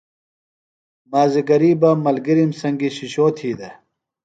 مازِگری بہ ملگِرِم سنگیۡ شِشو تھی دےۡ۔